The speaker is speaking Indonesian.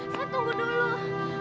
seth tunggu dulu